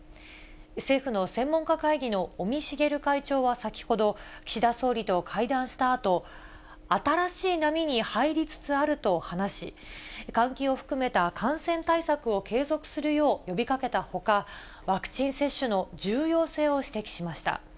政府の専門家会議の尾身茂会長は先ほど、岸田総理と会談したあと、新しい波に入りつつあると話し、換気を含めた感染対策を継続するよう呼びかけたほか、ワクチン接種の重要性を指摘しました。